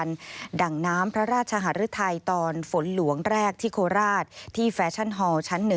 เนื่องรการด่างน้ำพระราชหรทะไยตอนฝนหลวงแรกที่โคราชที่แฟชั่นฮอล์ชั้น๑